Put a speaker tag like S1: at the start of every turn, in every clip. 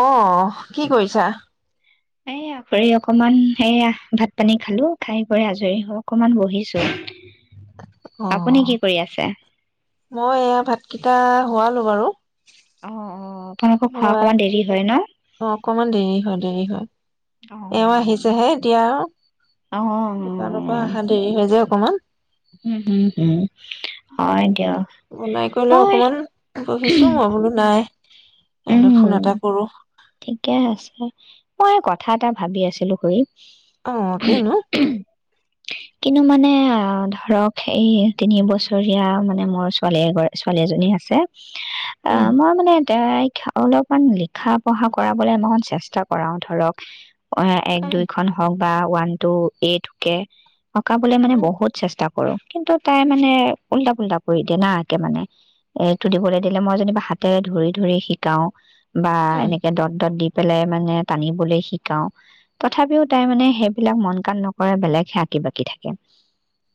S1: অহ কি কৰিছা
S2: খৰি অকমান সেয়া ভাত পানী খালো খাই বৈ আজৰি হৈ অকমান বহিছো
S1: অ
S2: আপুনি কি কৰি আছে
S1: মই এয়া ভাতকেইটা হোৱালো বাৰু
S2: অ অ আপোনালোকৰ খোৱা
S1: হয়,
S2: অকণমান দেৰি হয় ন
S1: অ অকমান দেৰি হয় দেৰি
S2: অ
S1: হয় এওঁ আহিছেহে এতিয়া
S2: অ
S1: আৰু দোকানৰ পৰা অহা দেৰি হৈ যায় অকমান
S2: উম হোম হোম হয় দিয়া
S1: বনাই কৰি লৈ
S2: হয়
S1: অকমান
S2: উমহ
S1: এ ফোন এটা কৰোঁ
S2: ঠিকে আছে মই কথা এটা ভাবি আছিলো খুৰি
S1: অ কিনো
S2: কিন্তু মানে আহ ধৰক এই তিন বছৰীয়া মানে মোৰ ছোৱালী এগ ছোৱালী এজনী আছে অ
S1: উম,
S2: মই মানে তাইক অলপমান লিখা পঢ়া কৰাবলে ই চেষ্টা কৰাও ধৰক অ এক
S1: উম,
S2: দুইখন হওঁক বা ওৱান টু এইটোকে অকাবলে মানে
S1: উম,
S2: বহুত চেষ্টা কৰো কিন্তু তাই মানে উল্টা পুল্টা কৰি দিয়ে না একে মানে এইটো দিবলে দিলে মই যেনিবা হাতেৰে ধৰি ধৰি শিকাও বা
S1: উম,
S2: এনে দত দত দি পেলাই মানে টানিবলৈ শিকাও তথাপিও তাই মানে সেইবিলাক মন কাণ নকৰে বেলেগহে আঁকি বাকি থাকে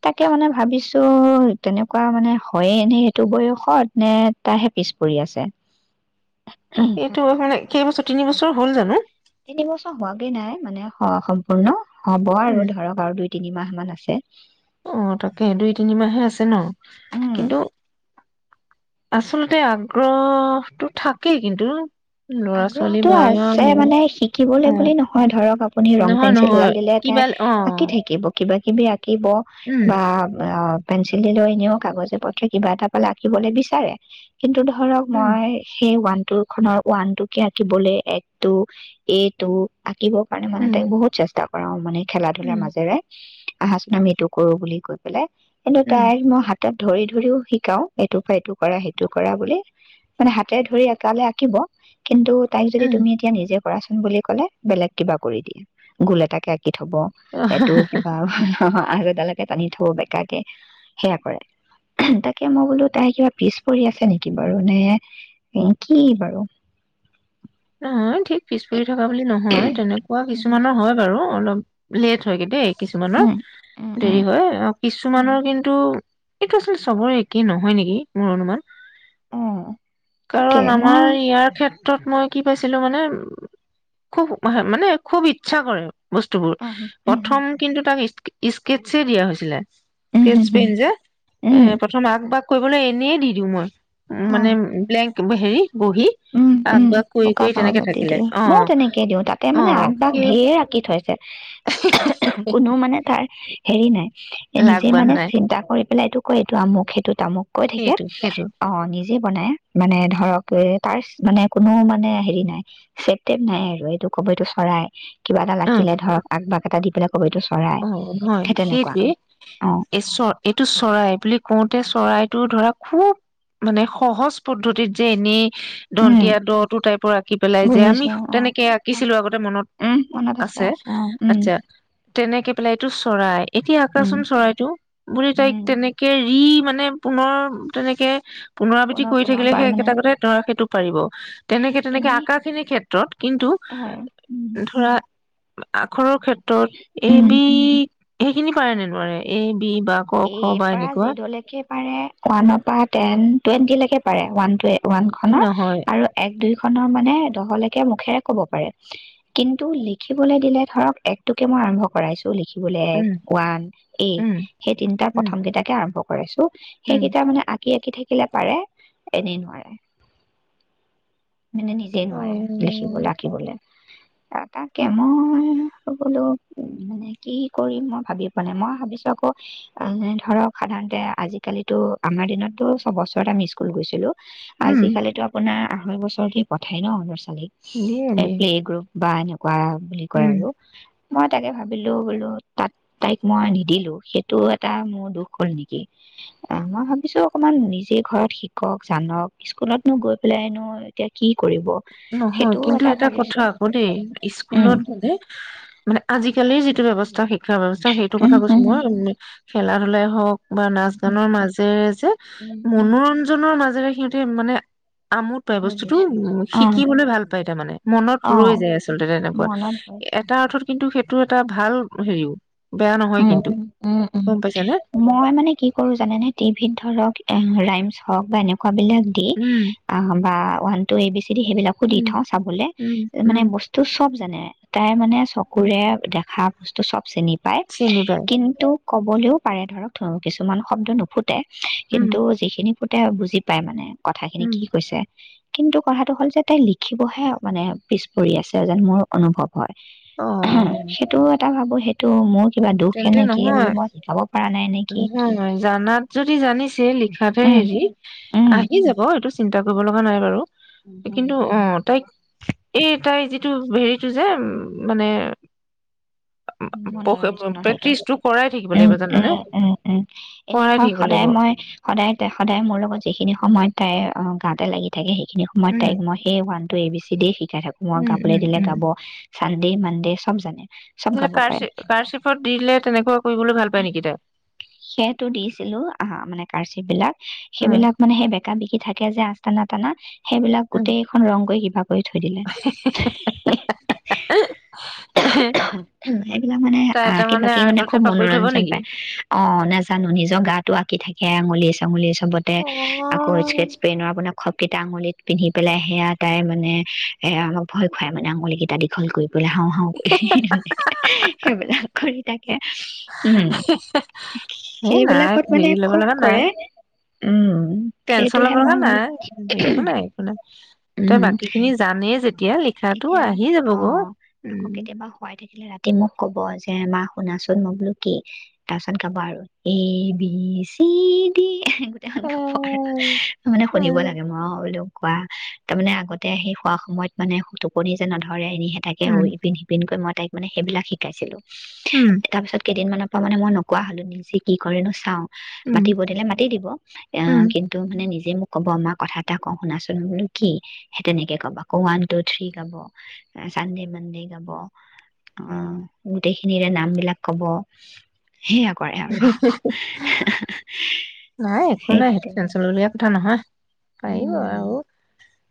S2: তাকে মানে ভাবিছো তেনেকুৱা মানে হয়েই নে সেইটো বয়সত নে তাইহে পিছ পৰি আছে
S1: এইটো বয়স মানে কেইবছৰ তিনি বছৰ হ'ল জানো
S2: তিনিবছৰ হোৱাগে নাই মানে স সম্পূৰ্ণ হ'ব আৰু
S1: উম,
S2: ধৰক আৰু দুই তিনিমাহ মান আছে
S1: অ তাকে দুই তিনিমাহে আছে ন
S2: উম।
S1: কিন্তু আচলতে আগ্ৰহটো থাকেই কিন্তু ল'ৰা ছোৱালী
S2: আগ্ৰহতো
S1: বা
S2: আছে
S1: মোৰ
S2: মানে শিকিবলে
S1: অ'।
S2: বুলি নহয় ধৰক আপুনি ৰং
S1: নহয়
S2: পেঞ্চিল এদাল
S1: নহয়
S2: দিলে তাই
S1: কিবা অ
S2: আঁকি থাকিব কিবা কিবি আকি থাকিব
S1: উম
S2: বা অ পেঞ্চিল দিলেও এনেও কাগজে পত্ৰে কিবা এটা পালে আঁকিবলে বিচাৰে কিন্তু ধৰক
S1: উম
S2: মই সেই ওৱান টোৰ খনৰ ওৱান টু কে আঁকিবলে এক টু এ টু আ আকিব কাৰণে মানে
S1: উম
S2: তাই বহুত চেষ্টা কৰে কৰাঁও মানে খেলা ধূলাৰ
S1: উম
S2: মাজেৰে আহা চুন আমি এইটো কৰোঁ বুলি কৈ পেলাই এনেও
S1: উম
S2: তাই মই হাতত ধৰি ধৰিও শিকাও এইটো পৰা, এইটো কৰা, সেইটো কৰা বুলি, মানে হাতে ধৰি এককালে আঁকিব। কিন্তু তাইক যদি
S1: উম
S2: তুমি এতিয়া নিজে কৰাচোন বুলি কলে বেলেগ কিবা কৰি দিয়ে। গোল এটাকে আঁকি ঠব
S1: অহ,
S2: এইেটো কিবা আৰু তালে তাক আনি থওঁ বেকাকে সেয়া কৰে, তাকে মই বোলো তাই কিবা পিছপৰি আছে নেকি বাৰু নেহ কি বাৰু।
S1: অহ ঠিক পিছ পৰি থকা বুলি নহয়, তেনেকুৱা
S2: উম
S1: কিছুমানৰ হয় বাৰু। অলপ লেট হয়গে দেই কিছুমানৰ
S2: উম উম উম
S1: দেৰি হয় আৰু
S2: উম
S1: কিছুমানৰ কিন্তু এইটো চোন চবৰে একেই নহয় নেকি মোৰ অনুমান।
S2: অ তাকে
S1: কাৰণ আমাৰ
S2: মই
S1: ইয়াৰ ক্ষেত্ৰত তাক মই, কি কৈছিলো মানে খুব মানে খুব ইচ্ছা কৰে। বস্তুবোৰ,
S2: অ উম
S1: প্ৰথম কিন্তু তাক স্কেটছে দিয়া হৈছিলে।
S2: উম
S1: স্কেটছ
S2: হুম হুম
S1: পেন যে
S2: উম
S1: এহ প্ৰথম আক বাক কৰিবলৈ এনে দি দিওঁ মই। উম
S2: অ
S1: মানে ব্লেং কিন্তু হেৰি বহি
S2: উম
S1: আ
S2: উম কাগজত দি দিওঁ ময়ো তেনেকে দিওঁ তাতে
S1: অ
S2: মানে আগবাগ
S1: সেই
S2: ধেৰৰ আঁকি ঠছে। কোনো মানে তাৰ হেৰি নাই।
S1: লাগ
S2: নিজে
S1: বান
S2: মানে
S1: নাই
S2: চিন্তা কৰি, পেলাই এইটো অ' এটো অমুক খাইটো তামুক কৈ থাকে,
S1: সেইটো সেইটো
S2: অ', নিজে বনাই। মানে ধৰক পু তাৰ মানে কোনো মানে হেৰি নাই চেপ টেপ নাই। এইটো কবটো চৰাই কিবা এটা
S1: অ
S2: লাগিলে ধৰ আগবাঘ এটা দি পিলে
S1: অ' নহয় সেইটোৱে
S2: অ
S1: এই চ এইটো চৰাই বুলি কোতে চৰাইটো ধৰা খুব মানে সহজ পদ্ধতিত যে এনেই
S2: উম
S1: দন্তীয়া দটো টাইপৰ আঁকি পেলাই যে আমি
S2: বুজিছো অ
S1: তেনেকে
S2: অ
S1: আঁকিছিলো আগতে মনত
S2: উম মনত
S1: আছে।
S2: অ উম
S1: আচ্ছা, তেনেকে পেলাই এইটো চৰাই এতিয়া আকা
S2: উম
S1: চোন চৰাইটো বুলি তাইক
S2: উম
S1: তেনেকে ই মানে পুনৰ তেনেকে পুনৰাবৃত্তি
S2: পুনৰ
S1: কৰি থাকিলে
S2: পুনৰবাৰ
S1: সেই
S2: মানে
S1: একেইটা কথাই ধৰা সেইটো পাৰিব তেনেকে তেনেকে
S2: এনেই
S1: আকাখিনিৰ ক্ষেত্ৰত কিন্তু
S2: হয় উম
S1: ধৰা আখৰৰ ক্ষেত্ৰ ত
S2: উম
S1: এইবি সেইখিনি পাৰে নে নোৱাৰে এ বি বা ক খ
S2: এৰ
S1: বা
S2: পৰা
S1: এনেকুৱা
S2: জেডলৈকে পাৰে ওৱানৰ পৰা টেন টুৱেন্টি লৈকে পাৰে ৱান টট ওৱান খনত
S1: নহয়
S2: আৰু এক দুই [unintelligible] খনৰ মানে দহলেকে মুখেৰে কব পাৰে কিন্তু লিখিবলৈ দিলে ধৰক একটোকে মই আৰম্ভ কৰাইছো লিখিবলৈ এক
S1: উম
S2: ওৱান এ
S1: উম
S2: সেই তিনিটাৰ
S1: উম
S2: প্ৰথমকেইটাকে আৰম্ভ কৰাইছো।
S1: উম
S2: সেইকেইটা মানে আঁকি আঁকি থা থাকিলে পাৰে এনেই নোৱাৰে মানে নিজে
S1: অ
S2: নোৱাৰে লিখিবলৈ আঁকিবলৈ তাকে মই বোলো উ মানে কি কৰিম মই ভাবি পোৱা নাই, মই ভাবিছো আকৌ ধৰক সাধাৰণতে আজিকালিটো আমাৰ দিনতো ছববছতে আমি স্কুল গৈছিলো
S1: উম
S2: আজিকালিতো আপোনাৰ হয় ব [unintelligible] পঠাই ন'
S1: দিয়ে
S2: [unintelligible] এহ
S1: দিয়ে
S2: প্লেগ্ৰুপ বাইনু কোৱা বুলি কয়
S1: উম
S2: আৰু মই তাকে ভাবিলো বোলো তাত তাইক মই নিদিলো সেইটো এটা মোৰ দুখ হ'ল নেকি অ', মই ভাবিছো অকমান নিজে ঘৰত শিকক জানক স্কুলতনো গৈ পেলাইনো এতিয়া কি কৰিব
S1: নহয়
S2: সেইটোও
S1: কিন্তু এটা
S2: ভাবিছো
S1: কথা আকৌ দেই
S2: উম
S1: স্কুলত মানে মানে আজিকালিৰ যিটো ব্যৱস্থা শ শিক্ষা ব্যৱস্থা সেইটোৰ
S2: উম
S1: কথা কৈছো মই, উ
S2: উম
S1: খেলা -ধূলাই হওক বা নাচ গানৰ মাজেৰে যে
S2: উম উম
S1: মনোৰঞ্জনৰ মাজে ৰে সিহঁতে মানে আমোদা পাই বস্তুটো
S2: বুজিছো।
S1: উহ শি
S2: অ',
S1: কি হ'লে ভাল পায় তাৰমানে মনত ৰৈ
S2: অ',
S1: যায় আচলতে তেনেকুৱা,
S2: মনত ৰয়।
S1: এটা অৰ্থত কিন্তু সেইটো এটা ভাল হেৰিও বেয়া নহয়
S2: উম
S1: কিন্তু
S2: উম
S1: গম পাইছানে
S2: মই মানে কি কৰো জানে ন টিভিত ধৰক ৰাইম হও সেই বিলাক দি
S1: উম
S2: তাৰপৰা পঢ়াতো এৰি দিছে সেইবিলাক দি
S1: উম
S2: থওঁ চাবলে
S1: উম উম
S2: মানে বস্তু চব জানে তাই মানে
S1: উম
S2: চকুৰে দেখা টো চব চিনি পাই পাই
S1: চিনি পাই
S2: কিন্তু ক'বলৈও পাৰে ধৰক কিছুমান শব্দ নুফুটে
S1: উম
S2: কিন্তু যিখিনি বুজি পায় মানে কথাখিনি
S1: উম
S2: কি কৈছে কিন্তু কথাটো হ'ল যে তাই লিখিবহে মানে পিছ পৰি আছে যেন মোৰ অনুভৱ হয়
S1: অ
S2: হ সেইটো এটা ভাবো তটো মই কিবা দুখে
S1: তেন্তে
S2: নেকি
S1: নহয়
S2: মই শিকাব পৰা নাই নেকি
S1: চেলি শাতে
S2: উম
S1: হেৰি
S2: উম
S1: আহি যাব এইটো চিন্তা কৰিব লগা নাই বাৰু
S2: উম হম
S1: কিন্তু
S2: হম
S1: অঁ তাইক এই তাই যি এইটো হেৰিতটো যে মানে
S2: মনোৰঞ্জনৰ
S1: প্ৰেক্টিচটো কৰাই থাকিব
S2: উম
S1: লাগিব জানানে
S2: উম উম উম এনেই
S1: কৰাই
S2: ধৰক
S1: থাকিব লাগিব
S2: সদায় মই সদায় ত সদায় মোৰ লগত যিখিনি সময়ত তাইৰ তাঁতে লাগ থাকে সি সেই সময়ত খিনি
S1: উম
S2: তাইক মই সেইয়া এ বি চি শিকাই শিকাই থাকো আৰু মই
S1: উম
S2: গাবলৈ
S1: উম
S2: দিলে
S1: উম
S2: গাব চানডে মানডে চব জানে চব
S1: নহ'লে
S2: গাব
S1: কাৰ কাৰ চিফত দিলে তেনেকুৱা কৰিবলৈ ভাল পায় নেকি তাই
S2: সেইটো দিছিলো আহ মানে কাৰচি বিলাক
S1: উম
S2: সেইবিলাক মানে সেই বেকা বিকি থাকে যে আ তনাতান সেইবিলাক
S1: উম
S2: গোটেইখন ৰং কৈ কিবা কৰি থৈ দিলে উ সেইবিলাক মানে
S1: তাই তাৰ
S2: আকি বাাকি মানে
S1: আৰ্টতহে
S2: খুব
S1: পাকৰি থব
S2: মনোৰঞ্জন
S1: নেকি
S2: পায় অ নাজানো নিজৰ গাটো আকি থাকে আঙুলি চাঙুলীয়ে চব চবতে
S1: অ
S2: আকৌ স্কেটছ পেইনৰ আপোনাৰ খ কেইটা আঙুলিত পিন্ধি পেলাই সেয়া তাই মানে এ অমাক ভয় খুৱাই মানে আঙুলি কেইটা দীঘল কৰি বোলে হাওঁ হা সেইবিলাক কৰি থাকে উম
S1: এ নাই
S2: সেইবিলাকত মানে
S1: হেৰি ল'ব
S2: খুব
S1: লগা নাই
S2: কৰে উম
S1: টেনচন ল'ব
S2: সেইটোহে
S1: লগা
S2: মই মানে
S1: নাই একো নাই একো নাই তই
S2: উম
S1: বাকী খিনি জানেই যেতিয়া এতিয়া লিখাতো
S2: এতিয়া
S1: আহি যাব গ উম
S2: আহিলে ৰাতি মোক কব যে মা শুনাচোন মই বোলো কি তাৰপিছত গাবা আৰু এ বি চি দি গোটেইখন গাব আৰু
S1: এ
S2: মানে শুনিব
S1: উম,
S2: লাগে মই বোলো কোৱা তাৰ মানে আগতে আহি শুৱা সময়ত মানে টোপনি যে নধৰে এনে থাকে
S1: উম,
S2: ইপিন সিপিনকৈ মই তাইক মানে সেইবিলাক শিকাইছিলো তাৰ পিছত কেইদিনমানৰ পা মানে মই নোকোৱা হ'লো নিজে কি কৰেনো চাওঁ
S1: উম,
S2: মাতিব দিলে মাতি দিব
S1: উম,
S2: অহ কিন্তু মানে নিজে মোক ক'ব মা কথা এটা কওঁ শুনাচোন বোলো কি সেই তেনেকে ক'বা আকৌ ৱান পু থ্ৰি গাব চানডে মানডে গাব আহ গোটেইখিনিৰে নামবিলাক ক'ব সেয়া কৰে আৰু
S1: নাই একো
S2: সেই
S1: নাই সেইটো টেনশ্যন লব লগীয়া কথা নহয় পাৰিব
S2: উম
S1: আৰু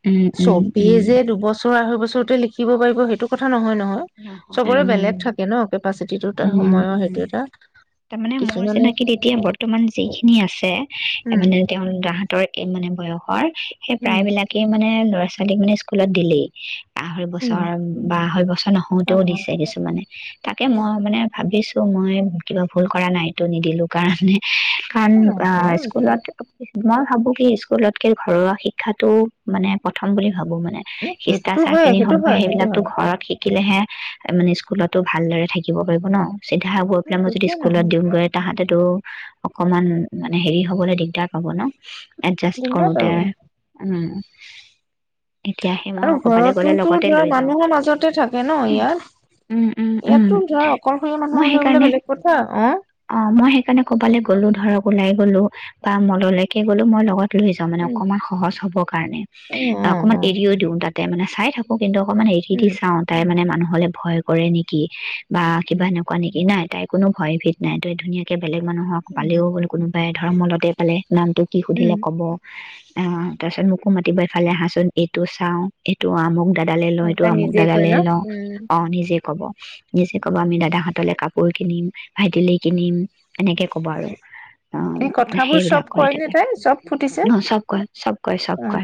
S2: উম উম
S1: চবে
S2: উম
S1: যে দুবছৰ আঢ়ৈ বছৰ ওচতে লিখিব পাৰিব সেইটো কথা নহয় নহয়
S2: নহ
S1: চবৰে বেলেগ থাকে ন কেপাচিটিটো তাৰ
S2: উ
S1: সময়ৰ
S2: উ
S1: সেইটো এটা
S2: তাৰমানে মোৰ
S1: কিছুমানে
S2: চিনাকীত এতিয়া বৰ্তমান যিখিনি আছে
S1: উম,
S2: মানে তেওঁ তাহতৰ এই মানে বয়সৰ সেই
S1: উম,
S2: প্ৰায়বিলাকে মানে ল'ৰা ছোৱালীক মানে স্কুলত দিলেই আঢ়ৈ
S1: উম,
S2: বছৰ বা আঢ়ৈ বছৰ নহয়
S1: অ',
S2: হতেও
S1: অ',
S2: দিছে কিছুমানে তাকে মই মানে ভাবিছো মই কিবা ভুল কৰা নাইতো নিদিলো কাৰণে কাৰণ অ
S1: নহয়
S2: স্কুলত ভাবো কি স্কুলত কে ঘৰুৱা শিক্ষাটো মানে প্ৰথম বুলি ভাবো মানে
S1: সেইটোতো
S2: শিষ্টাচাৰ
S1: হয়
S2: খিনি
S1: সেইটো
S2: হওক বা
S1: হয় সেইটো
S2: সেইবিলাকতো
S1: হয়
S2: ঘৰত শিক থাকিলেহে মানে স্কুলতো ভালদৰে থাকিব পাৰিব ন চিধা গৈ পেলাই মই
S1: সেইটো
S2: যদি
S1: কিয়
S2: স্কুলত
S1: নহয়
S2: দিওঁগৈ তাহাঁতেতো অকমান মানে হেৰি হ'বলৈ দিগদাৰ পাব ন এডজাষ্ট
S1: দিগদাৰ
S2: কৰোতে
S1: বাৰু
S2: উ
S1: আৰু
S2: ক'বালৈ গ'লে
S1: ঘৰতোতো
S2: লগতে
S1: ধৰা
S2: লৈ যাওঁ
S1: মানুহৰ মাজতে থাকে ন ন
S2: উম উম
S1: ইয়াত
S2: উম
S1: ইয়াততো ধৰা অকলশৰীয়া
S2: মই
S1: মানুহলৈ বোলে
S2: সেইকাৰণে
S1: বেলেগ কথা অ
S2: অ মই সেইকাৰণে কবালৈ গ'লো ধৰক ওলাই গলো বা মললৈকে গ'লো মই লগত লৈ যা মানে
S1: উম,
S2: অকমান সহজ হ'বৰ কাৰণে
S1: উম, অ',
S2: অকমান
S1: অ'।
S2: এৰি দিওঁ তাতে মানে চাই থাকক কিন্তু অকণমান হেৰি দি
S1: উম,
S2: চা তাই মানে মানুহ নহলে ভয় কৰে নেকি বা কিবা
S1: উম,
S2: এনেকুৱা নেকি নাই তাই কোনো ভয় ভিত নাই তই ধুনীয়াকে বেলেগ মানুহক
S1: উম,
S2: পালেও ব'লে কোনো পায় ধৰ্মলতে পালে নামটো কি
S1: উম,
S2: সুধিলে কব অ তাৰপিছত মোকো মাতিব ইফালে আহাচোন এইটো চাও এইটো মোক দাদা দালে ল
S1: অ,
S2: এইটো
S1: তাই
S2: আমুক
S1: নিজে কয়
S2: দাদালে
S1: ন?
S2: লওঁ
S1: উম,
S2: অ নিজে কব নিজে কব আমি দাদা হতলে কাপোৰ কিনিম ভাইটিলে কিনিম এনেকে ক'ব আৰু অ
S1: এই কথাবোৰ
S2: সেইবিলাক
S1: চব
S2: কৰি
S1: কয়নে
S2: থাকে
S1: তাই চব ফুটিছে
S2: অ চব কয় চব কয় চব
S1: উ
S2: কয়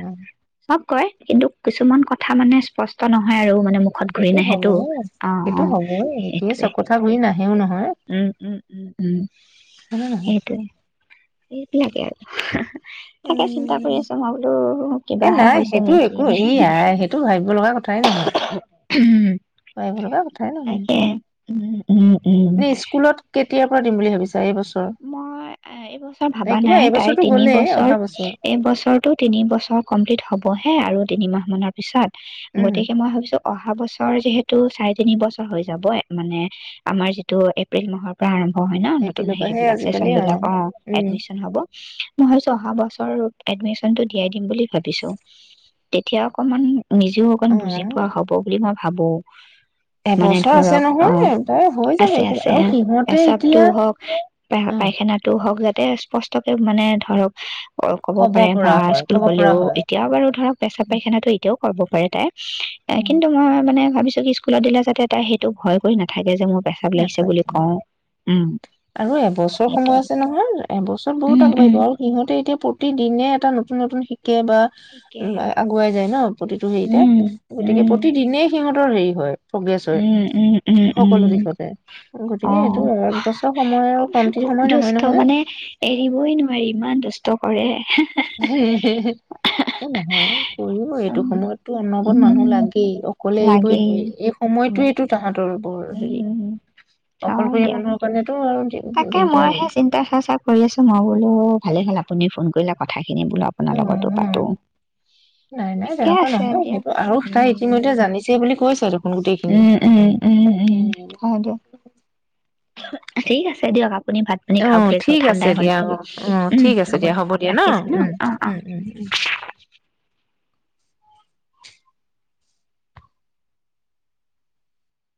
S2: চব কয় কিন্তু কিছুমান কথা মানে স্পষ্ট নহয় নহয় আৰু মানে মুখত ঘূৰি
S1: সেইটো
S2: নাহেটো
S1: হ'বহে।
S2: অ
S1: সেইটো
S2: অ
S1: হ'বই সেইটোৱে
S2: সেইটোয়ে
S1: চব কথা ঘূৰি
S2: সেইটো
S1: নাহেও নহয়,
S2: উম উম উম উম
S1: হয়নে নহয়?
S2: সেইটোৱে এই লাগে আৰু তাকে চিন্তা কৰি
S1: উম,
S2: আছো মই বোলো
S1: এ
S2: কিবাহে
S1: নাই
S2: হৈছে
S1: সেইটো
S2: নেকি
S1: একো
S2: এনে
S1: ই আই সেইটো ভাবিব লগা কথাই নহয়,
S2: উম
S1: ভাবিব লগা কথাই নহয় সেইটো।
S2: তাকে উ উম উম
S1: এনে স্কুলত কেতিয়াৰ পৰা দিম বুলি ভাবিছা? এইবছৰ?
S2: মই এইবছৰ
S1: এ
S2: ভবা
S1: কিবা
S2: নাই তাই
S1: এইবছৰটো
S2: তিনি
S1: গ'লেই
S2: বছৰ
S1: অহা
S2: এইবছৰটো তিনি বছৰ কমপ্লিট হবহে আৰু তিনিমাহমানৰ পিছত
S1: উম,
S2: গতিকে মই ভাবিছো অহা বছৰ যিহেতু টো চাৰি তিনি বছৰ হৈ যাব মানে আমাৰ যিটো এপ্ৰিল মাহৰ পৰা আৰম্ভ হয় হয় নতুন
S1: এপ্ৰিলৰ
S2: হেৰি
S1: পৰাহে
S2: [unintelligible]
S1: আজিকালি অ,
S2: চেচনবিলাক অহ,
S1: উম,
S2: এদমিছন হ'ব মই ভাবিছো অহা বছৰ এডমিনটো দিয়াই দিম বুলি ভাবিছো তেতিয়া অকমান নিজেও অকণ
S1: অ,
S2: বুজি পোৱা হ'ব বুলি ভাবোঁ
S1: এবছৰ আছে নহয় তাই হৈ যাব
S2: আছে
S1: আৰু সিহঁতে এতিয়া
S2: প
S1: উম,
S2: পায়খানাতো হওক যাতে স্পষ্টকে মানে ধৰক অহ ক'ব পাৰে বা
S1: পৰা হয়
S2: স্কুল
S1: কব পৰা
S2: গলেও
S1: হয়।
S2: এতিয়াও বাৰু ধৰক পেচা পাইখানাতটো এতিয়াও কৰিব পাৰে তাই
S1: উম,
S2: কিন্তু মই মানে ভাবিছো। স্কুলত দিলে যাতে তাই সেইটো ভয় কৰি নাথাকে যে মোৰ পেচাব লাগিছে বুলি কওঁ উম
S1: আৰু এবছৰ
S2: সেইটো
S1: সময় আছে নহয় এবছৰত বহুত
S2: উম উম
S1: আগবাঢ়িব আৰু সিহঁতে এতিয়া প্ৰতিদিনে এটা নতুন নতুন শ বা
S2: ঠিকে
S1: উহ আগুৱাই যায় নহ প্ৰতিটো হেৰিতে
S2: উম
S1: গতিকে
S2: উম
S1: প্ৰতিদিনেই সিহঁত হেৰি হয় প্ৰগ্ৰেছ হয়
S2: উম উম উম উম
S1: সকলো দিশতে,
S2: অ
S1: গতিকে এইটো একবছৰ
S2: খুব দুষ্ট মানে এৰিবই নোৱাৰি ইমান দুষ্ট কৰে।
S1: এই নহয় কৰিও
S2: উম
S1: এইটো সময়তো অনবত
S2: উম
S1: মানুহ লাগেই। অকলে এৰিবই
S2: লাগেই
S1: নোৱাৰি। এই
S2: উম
S1: সময়টোৱেইটো তাহাঁতৰো মোৰ হেৰি
S2: উম হয়
S1: অকলশৰীয়া
S2: দিয়া
S1: মানুহৰ কাৰণেতো [unintelligible]
S2: তাকে
S1: দিগদাৰেই।
S2: মইহে চিন্তা চৰ্চা কৰি আছো মই, বোলো ভালে হে তুমি ফোন কৰিলে কথাই
S1: অ', অ', নাই, নাই
S2: ঠিকে
S1: তেনেকুৱা
S2: আছে
S1: নহয়
S2: দিয়ক
S1: সেইটো আৰু তাই
S2: উম
S1: ইতিমধ্যে জানিছেই বুলি কৈছে দেখোন গোটেইখিনি।
S2: উম, উম, উম, উম ঠিক আছে দিয়ক আ আপুনি ভাত পানী খাওঁক
S1: অ',
S2: গে যাওঁক
S1: ঠিক আছে
S2: ঠাণ্ডাই হ'ল
S1: দিয়া
S2: চাগে
S1: অ', অ',
S2: উম,
S1: ঠিক আছে
S2: হব,
S1: দিয়া
S2: দিয়ক
S1: দিয়া
S2: ৰাখিছো ন?
S1: উম,
S2: অ', অ।
S1: উম, উম। উম।